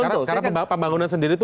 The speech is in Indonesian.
karena pembangunan sendiri itu